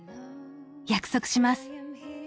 約束します。